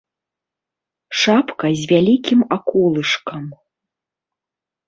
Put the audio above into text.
Шапка з вялікім аколышкам.